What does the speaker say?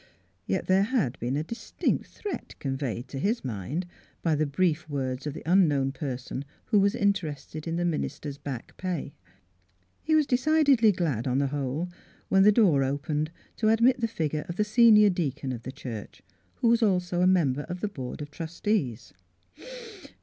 " Yet there had been a distinct threat conveyed to his mind by the brief words of the unknown person who was interested in the minis ter's back pay. Miss Philura's Wedding Gown He was decidedly glad, on the whoks^ when the door opened to admit the figure of the senior deacon of the church, who was also a member of the board of trustees.